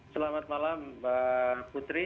selamat malam bu putri